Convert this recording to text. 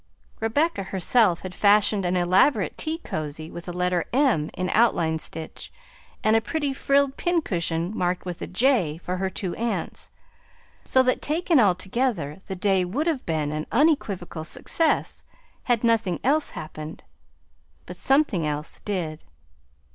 Rebecca herself had fashioned an elaborate tea cosy with a letter "M" in outline stitch, and a pretty frilled pincushion marked with a "J," for her two aunts, so that taken all together the day would have been an unequivocal success had nothing else happened; but something else did.